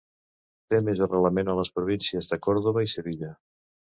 Té més arrelament a les províncies de Còrdova i Sevilla.